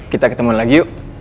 kita ketemu lagi yuk